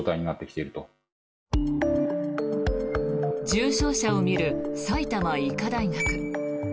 重症者を診る埼玉医科大学。